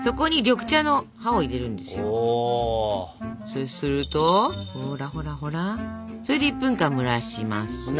そうするとほらほらほら。それで１分蒸らします。